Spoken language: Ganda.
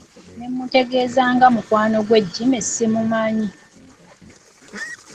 Ne mmutegeeza nga mukwano gwe Jimmy simumanyi.